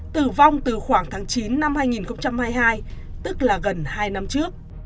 tử vong từ khoảng tháng chín năm hai nghìn hai mươi hai tức là gần hai năm trước